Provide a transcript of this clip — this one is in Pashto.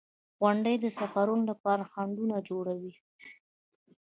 • غونډۍ د سفرونو لپاره خنډونه جوړوي.